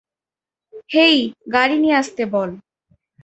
হেই, গাড়ি নিয়ে আসতে বল।